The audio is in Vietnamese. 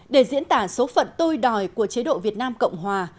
để diễn tả số phận tôi đòi của chế độ việt nam cộng hòa